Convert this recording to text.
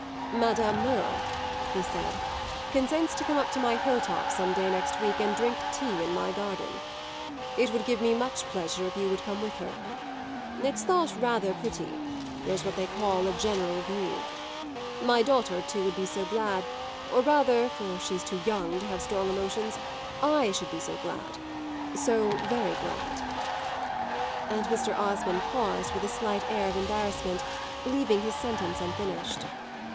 "Madame Merle," he said, "consents to come up to my hill top some day next week and drink tea in my garden. It would give me much pleasure if you would come with her. It's thought rather pretty there's what they call a general view. My daughter too would be so glad or rather, for she's too young to have strong emotions, I should be so glad so very glad." And Mr. Osmond paused with a slight air of embarrassment, leaving his sentence unfinished.